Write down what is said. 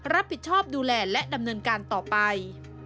รับผิดชอบดูแลและดำเนินการต่อไป